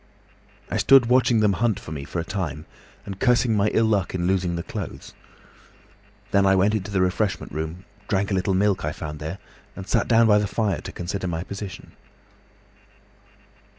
"I stood watching them hunt for me for a time, and cursing my ill luck in losing the clothes. Then I went into the refreshment room, drank a little milk I found there, and sat down by the fire to consider my position.